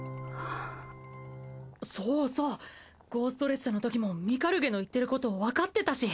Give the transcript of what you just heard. そうそうゴースト列車のときもミカルゲの言ってることわかってたし。